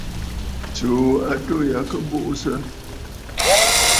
Tsuu atû ya kɨ buʼusə.